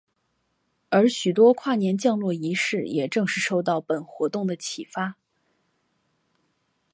而许多跨年降落仪式也正是受到本活动的启发。